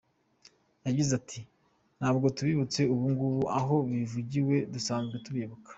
Yagize ati “ Ntabwo tubibutse ubu ng’ubu aho bivugiwe dusanzwe tubibuka.